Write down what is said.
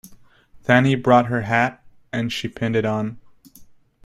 Then he brought her hat, and she pinned it on.